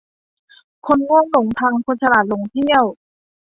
คนโง่หลงทางคนฉลาดหลงเที่ยว